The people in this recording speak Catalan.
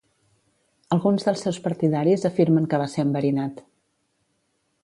Alguns dels seus partidaris afirmen que va ser enverinat.